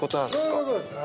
そういうことです